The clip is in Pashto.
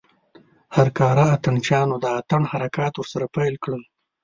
هر کاره اتڼ چيانو د اتڼ حرکات ورسره پيل کړل.